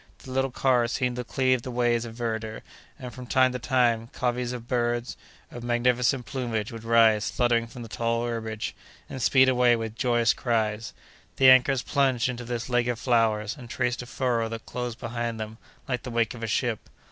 The little car seemed to cleave the waves of verdure, and, from time to time, coveys of birds of magnificent plumage would rise fluttering from the tall herbage, and speed away with joyous cries. The anchors plunged into this lake of flowers, and traced a furrow that closed behind them, like the wake of a ship.